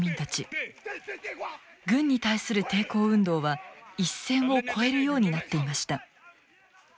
軍に対する抵抗運動は一線を越えるようになっていました。